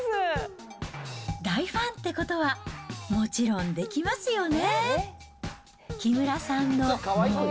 大ファンってことは、もちろんできますよね？